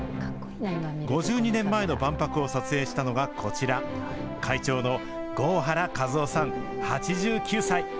５２年前の万博を撮影したのがこちら、会長の合原一夫さん８９歳。